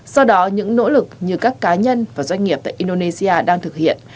do đó những nỗ lực như các cá nhân và doanh nghiệp